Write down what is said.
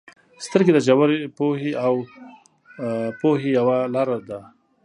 • سترګې د ژور پوهې او پوهې یوه لاره ده.